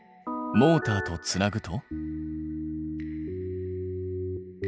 モーターとつなぐと？